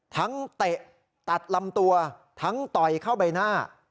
เตะตัดลำตัวทั้งต่อยเข้าใบหน้า